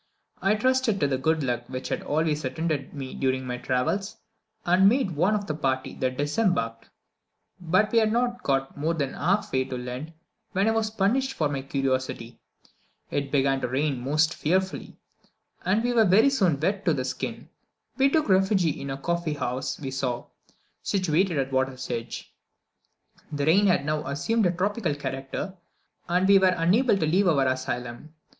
I trusted to the good luck which had always attended me during my travels, and made one of the party that disembarked; but we had not got more than half way to land when I was punished for my curiosity. It began to rain most fearfully, and we were very soon wet to the skin. We took refuge in the first coffee house we saw, situated at the water's edge; the rain had now assumed a tropical character, and we were unable to leave our asylum.